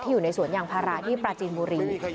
ที่อยู่ในสวนอย่างพระราธิปราจินบุรี